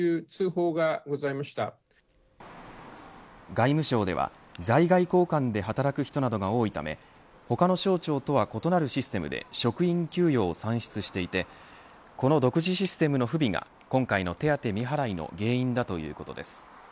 外務省では在外公館で働く人などが多いため他の省庁とは異なるシステムで職員給与を算出していてこの独自システムの不備が今回の手当未払いの原因だということです。